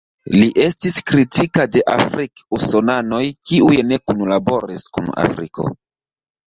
Li estis kritika de afrik-usonanoj kiuj ne kunlaboris kun Afriko.